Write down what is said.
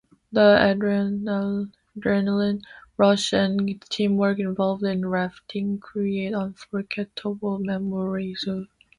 The adrenaline rush and teamwork involved in rafting create unforgettable memories.